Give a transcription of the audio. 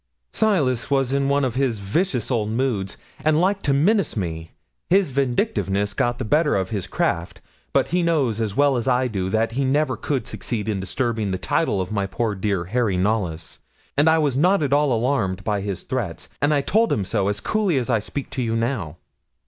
'Silas was in one of his vicious old moods, and liked to menace me. His vindictiveness got the better of his craft; but he knows as well as I do that he never could succeed in disturbing the title of my poor dear Harry Knollys; and I was not at all alarmed by his threats; and I told him so, as coolly as I speak to you now.